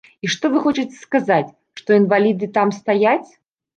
І што вы хочаце сказаць, што інваліды там стаяць?